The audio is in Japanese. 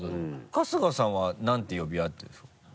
春日さんは何て呼び合ってるんですか？